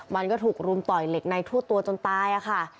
มันก็ถูกรุมต่อยเหล็กในทั่วตัวจนตายค่ะ